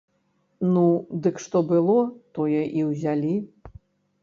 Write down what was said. Ну, дык што было, тое і ўзялі.